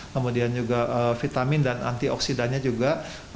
kemudian juga vitamin dan antioksidannya juga